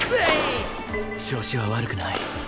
調子は悪くない